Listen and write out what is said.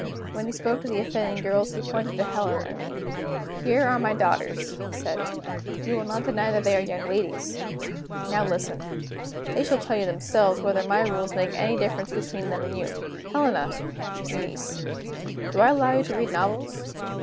When he spoke to the offending girls, he pointed to Helena and to me. "Here are my daughters," he said. "You will not deny that they are young ladies. Now listen. They shall tell you themselves whether my rules make any difference between them and you. Helena! Eunice! do I allow you to read novels?